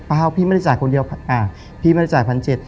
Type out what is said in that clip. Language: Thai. พี่ไม่ได้จ่ายคนเดียวพี่ไม่ได้จ่ายพันเจ็ด